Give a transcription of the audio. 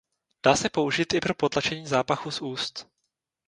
Dá se použít i pro potlačení zápachu z úst.